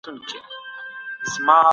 د سولې کبوتران الوازئ.